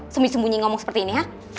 sembunyi sembunyi ngomong seperti ini ya